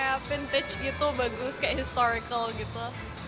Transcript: kayak vintage gitu bagus kayak historical gitu